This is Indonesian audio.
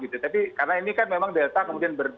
tapi karena ini kan memang delta kemudian